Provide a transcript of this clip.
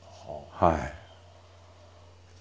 はい。